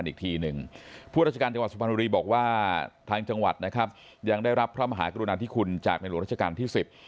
ยุติการค้นหาไม่ใช่ว่าไม่หาแล้ว